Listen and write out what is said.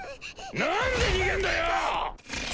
なんで逃げんだよ！